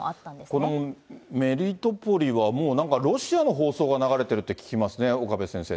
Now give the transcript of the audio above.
このメリトポリは、もうなんかロシアの放送が流れてるって聞そうですね。